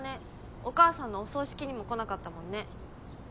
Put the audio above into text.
お母さんのお葬式にも来なかったもんね。